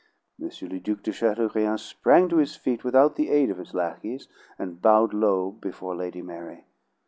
M. le Duc Chateaurien sprang to his feet without the aid of his lackeys, and bowed low before Lady Mary.